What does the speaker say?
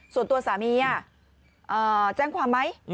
ส่วนตัวสามีแจ้งความไหม